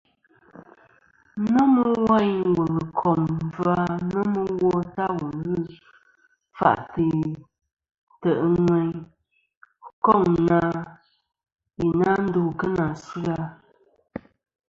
Nomɨ wayn wùl kom ɨkfà nomɨ wo ta wù ghɨ kfa'tɨ ntè' ŋweyn, koŋ na i na ndu kɨ nà asɨ-a.